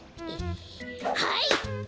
はい！